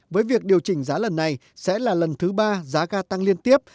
với việc điều chỉnh giá lần này sẽ là lần thứ ba giá ga tăng liên tiếp